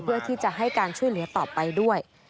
เพื่อที่จะให้การช่วยเหลือต่อไปด้วย